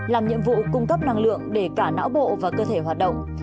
làm nhiệm vụ cung cấp năng lượng để cả não bộ và cơ thể hoạt động